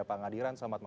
pak ngadiran selamat malam